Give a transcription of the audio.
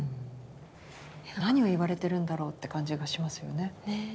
何を言われてるんだろうって感じがしますよね。